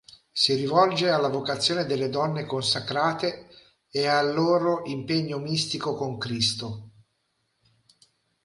Si rivolge alla vocazione delle donne consacrate e al loro impegno mistico con Cristo.